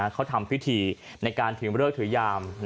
เขาทำพิธีในการถือเลิกถือยาม